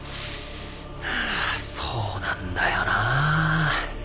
そうなんだよな。